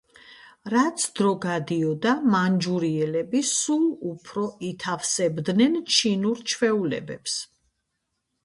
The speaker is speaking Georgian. რაც დრო გადიოდა, მანჯურიელები სულ უფრო ითავსებდნენ ჩინურ ჩვეულებებს.